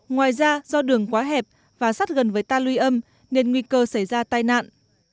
ngoài ra do đường quá hẹp và sát gần với ta lưu âm nên nguy cơ xảy ra tai nạn